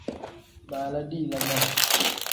Baala dalila bam.